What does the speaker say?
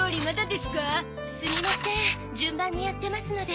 すみません順番にやってますので。